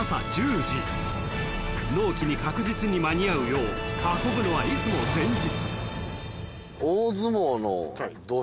［納期に確実に間に合うよう運ぶのはいつも前日］